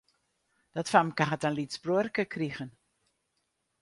Dat famke hat in lyts bruorke krigen.